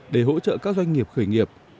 để hỗ trợ các doanh nghiệp khởi nghiệp